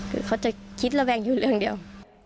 คือเขาจะคิดระแวงอยู่เรื่องเดียว